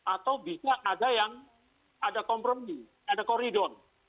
atau bisa ada yang ada kompromi ada koridor